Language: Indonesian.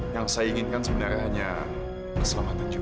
yang saya inginkan sebenarnya hanya keselamatan juga